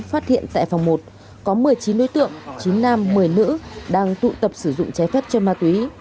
phát hiện tại phòng một có một mươi chín đối tượng chín nam một mươi nữ đang tụ tập sử dụng trái phép chân ma túy